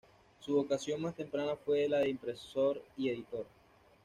Su vocación más temprana fue la de impresor y editor.